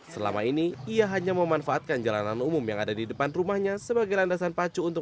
selama ini ia hanya memanfaatkan jalanan umum yang ada di depan rumahnya sebagai landasan pacu untuk